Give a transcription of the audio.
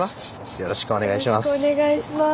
よろしくお願いします。